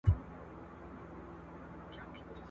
زما یقین دی خدای ته نه دی د منلو !.